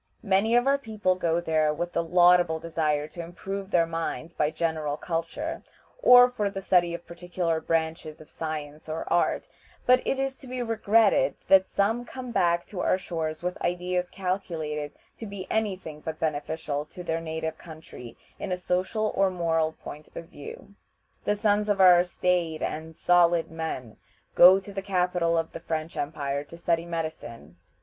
Many of our people go there with the laudable desire to improve their minds by general culture, or for the study of particular branches of science or art, but it is to be regretted that some come back to our shores with ideas calculated to be any thing but beneficial to their native country in a social or moral point of view. The sons of our staid and "solid men" go to the capital of the French empire to study medicine.